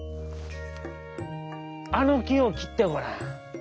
あのきをきってごらん」。